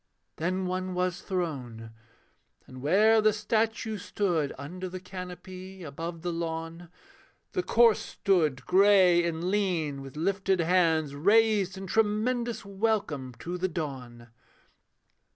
Then one was thrown: and where the statue stood Under the canopy, above the lawn, The corse stood; grey and lean, with lifted hands Raised in tremendous welcome to the dawn.